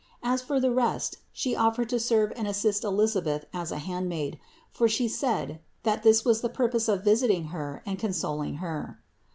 As for the rest She offered to serve and assist Elisabeth as a handmaid, for She said, that this was the purpose of visiting her and consoling her.